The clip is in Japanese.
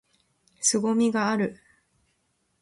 凄みがある！！！！